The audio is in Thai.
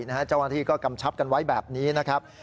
เจ้าหน้าที่ก็กำชับกันไว้แบบนี้นะครับ